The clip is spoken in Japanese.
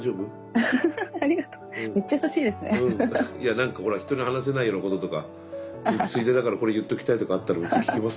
いや何かほら人に話せないようなこととかついでだからこれ言っときたいとかあったら聞きますけど大丈夫？